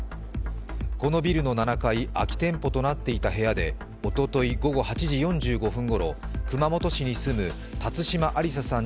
このビルの７階、空き店舗となっていた部屋でおととい午後８時４５分ごろ熊本市に住む辰島ありささん